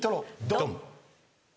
ドン！